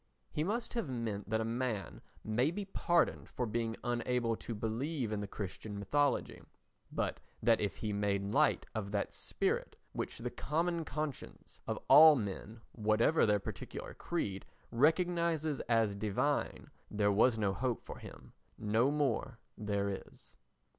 He must have meant that a man may be pardoned for being unable to believe in the Christian mythology, but that if he made light of that spirit which the common conscience of all men, whatever their particular creed, recognises as divine, there was no hope for him. No more there is.